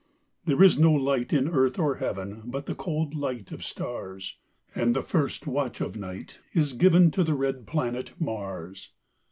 There is no light in earth or heavenBut the cold light of stars; And the first watch of night is givenTo the red planet Mars.